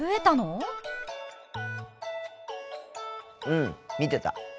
うん見てた。